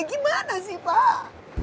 gimana sih pak